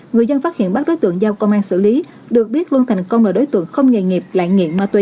người dân phát hiện bắt đối tượng giao công an xử lý được biết luân thành công là đối tượng không nghề nghiệp lại nghiện ma túy